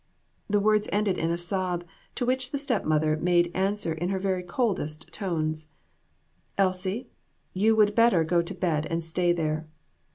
The words ended in a sob, to which the step mother made answer in her very coldest tones "Elsie, you would better go to bed and stay there."